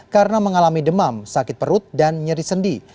karena mengalami demam sakit perut dan nyeri sendi